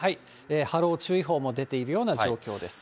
波浪注意報も出ているような状況です。